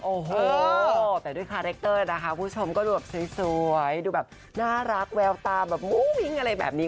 โอ้โหแต่ด้วยคาแรคเตอร์นะคะคุณผู้ชมก็ดูแบบสวยดูแบบน่ารักแววตาแบบอุ้ยอะไรแบบนี้